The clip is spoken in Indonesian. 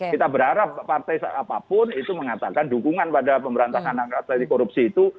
kita berharap partai apapun itu mengatakan dukungan pada pemberantasan korupsi itu